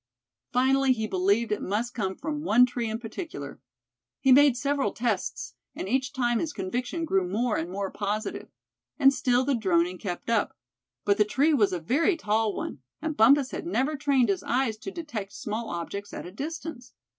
Finally he believed it must come from one tree in particular. He made several tests, and each time his conviction grew more and more positive. And still the droning kept up. But the tree was a very tall one, and Bumpus had never trained his eyes to detecting small objects at a distance.